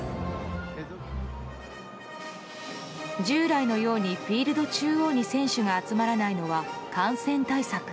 従来のようにフィールド中央に選手が集まらないのは感染対策。